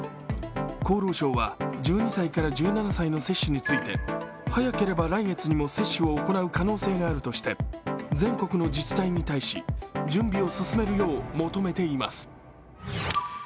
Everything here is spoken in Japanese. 厚労省は１２歳から１７歳の接種について早ければ来月にも接種を行う可能性があるとして全国の自治体に対し、準備を進めるよう求めています。